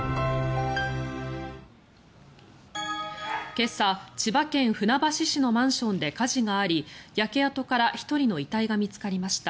今朝、千葉県船橋市のマンションで火事があり焼け跡から１人の遺体が見つかりました。